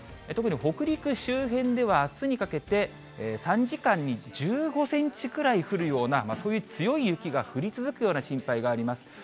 特に北陸周辺では、あすにかけて、３時間に１５センチくらい降るような、そういう強い雪が降り続くような心配があります。